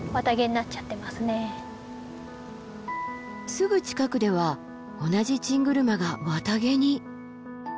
すぐ近くでは同じチングルマが綿毛に。